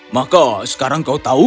maka sekarang kau tahu